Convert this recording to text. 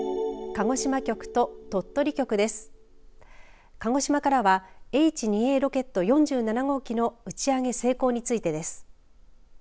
鹿児島からはＨ２Ａロケット４７号機の打ち上げ成功についてです。